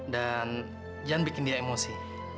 dan jangan bikin dia emosi